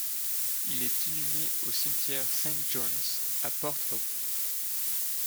Il est inhumé au cimetière St John's à Port Hope.